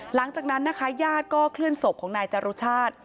หลังจากนั้นนะคะญาติก็เคลื่อนศพของนายจรุชาติ